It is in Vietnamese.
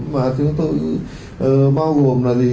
mà chúng tôi bao gồm là gì